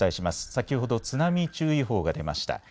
先ほど津波注意報が出ました。